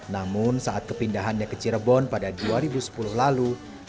namun saat kepindahannya ke cirebon pada dua ribu sepuluh lalu